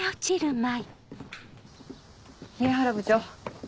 宮原部長。